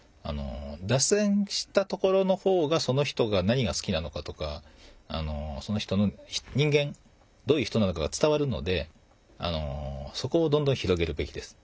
脱線したところの方がその人が何がすきなのかとかどういう人なのかが伝わるのでそこをどんどん広げるべきです。